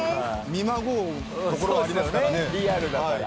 見まごうところありますからね。